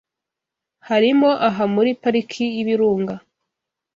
harimo aha muri Pariki y’Ibirunga